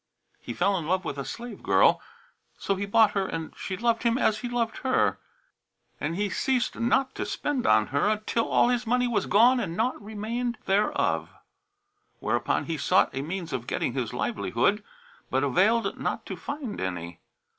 He fell in love with a slave girl; so he bought her and she loved him as he loved her; and he ceased not to spend upon her, till all his money was gone and naught remained thereof; whereupon he sought a means of getting his livelihood, but availed not to find any.